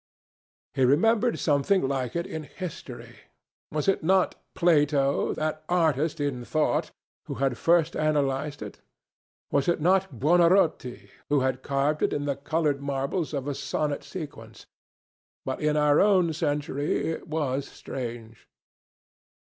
He remembered something like it in history. Was it not Plato, that artist in thought, who had first analyzed it? Was it not Buonarotti who had carved it in the coloured marbles of a sonnet sequence? But in our own century it was strange....